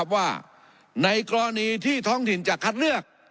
ว่าในกรณีที่ท้องถิ่นจะคัดเลือก